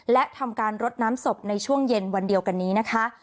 และทำการรดน้ำศพในช่วงเย็นวันเดียวกันนี้นะคะ